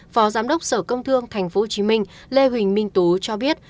phó giám đốc sở công thương tp hcm lê huỳnh minh tú cho biết